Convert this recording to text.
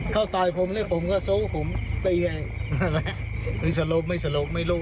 เขาตายผมผมก็โซ่ผมไปไงหรือสลบไม่สลบไม่รู้